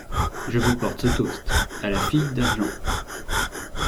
Je vous porte ce toast: — À la fille d’argent!